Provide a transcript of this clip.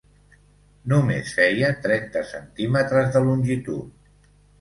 Només feia trenta centímetres de longitud.